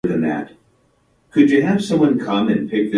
似たような写真は一枚もなかった